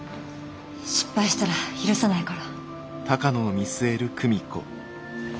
失敗したら許さないから。